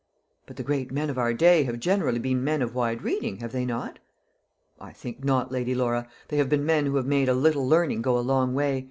"But the great men of our day have generally been men of wide reading, have they not?" "I think not, Lady Laura. They have been men who have made a little learning go a long way.